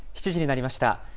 ７時になりました。